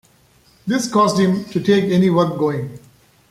This caused him to take any work going.